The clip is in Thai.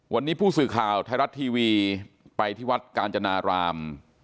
วันนี้ผู้สื่อข่าวไทยรัฐทีวีไปที่วัดกาญจนาราม